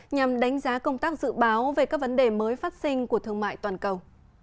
nhằm đánh giá công tác dự báo về các vấn đề mới phát sinh của thương mại toàn cầu